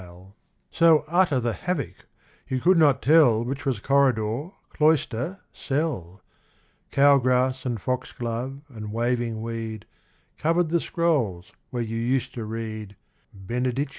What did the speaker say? BROTHER BENEDICT 151 So utter the havoc, you could not tell Which was corridor, cloister, cell. Cow grass, and foxglove, and waving weed, Covered the scrolls where you used to read, Benedicite.